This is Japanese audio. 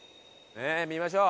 ええ見ましょう。